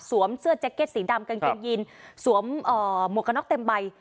สวมเสื้อแจ็คเก็ตสีดำกางเกงยินสวมเอ่อหมวกนอกเต็มใบ